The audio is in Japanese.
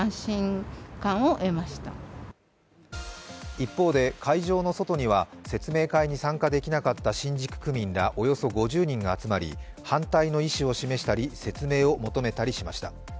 一方で、会場の外には説明会に参加できなかった新宿区民らおよそ５０人が集まり反対の意思を示したり説明を求めたりしました。